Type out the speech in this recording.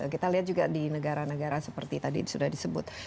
kita lihat juga di negara negara seperti tadi sudah disebut